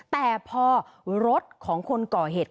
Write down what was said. แต่พอรถของคนก่อเหตุ